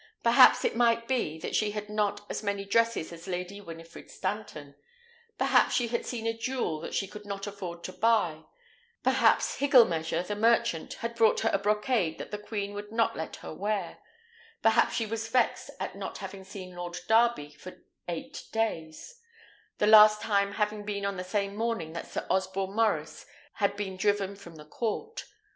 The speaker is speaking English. Perhaps it might be, that she had not as many dresses as Lady Winifred Stanton; perhaps she had seen a jewel that she could not afford to buy; perhaps Higglemeasure, the merchant, had brought her a brocade that the queen would not let her wear; perhaps she was vexed at not having seen Lord Darby for eight days, the last time having been on the same morning that Sir Osborne Maurice had been driven from the court.